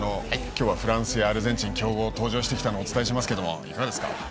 今日フランスやアルゼンチン強豪登場してきたのお伝えしますけどいかがですか？